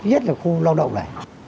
nhất là khu lao động này